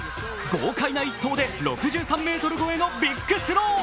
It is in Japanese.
豪快な一投で６３ｍ越えのビッグスロー。